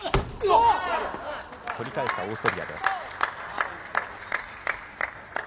取り返したオーストリアです。